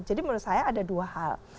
menurut saya ada dua hal